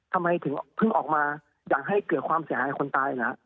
ทำไมถึงเพิ่งออกมาอยากให้เกิดความเสียหายกับคนตายเหรอ